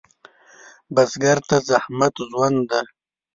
بزګر ته زحمت ژوند دی